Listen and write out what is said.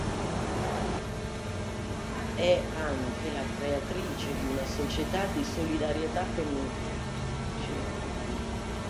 È anche la creatrice di una società di solidarietà infantile.